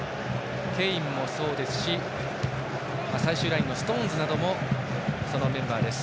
ケインもそうですし最終ラインのストーンズなどもそのメンバーです。